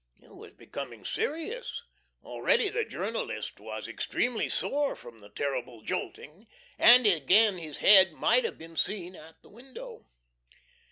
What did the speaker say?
It was becoming serious. Already the journalist was extremely sore from the terrible jolting, and again his head "might have been seen" at the window.